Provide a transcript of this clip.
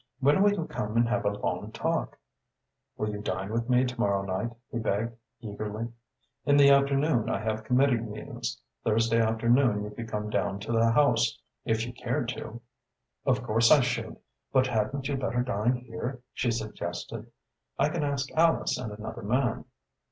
"When will you come and have a long talk?" "Will you dine with me to morrow night?" he begged eagerly. "In the afternoon I have committee meetings. Thursday afternoon you could come down to the House, if you cared to." "Of course I should, but hadn't you better dine here?" she suggested. "I can ask Alice and another man."